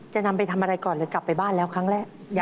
จะนำไปทำอะไรก่อนหรือกลับไปบ้านแล้วครั้งแรก